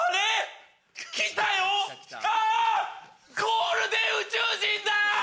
ゴールデン宇宙人だ！